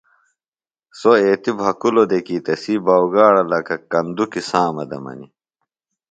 سوۡ ایتیۡ بھکُلوۡ دےۡ کیۡ تسی باؤگاڑہ لکہ کندُکیۡ سامہ دےۡ منیۡ